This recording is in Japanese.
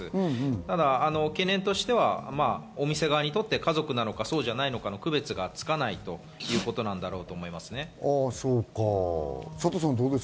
ただ懸念としてはお店側にとって家族なのか、そうでないのかの区別がつかないということなんだろうと思います。